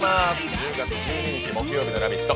１０月１２日木曜日の「ラヴィット！」